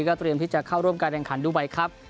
เตรียมที่จะเข้าร่วมการแข่งขันดูไบครับ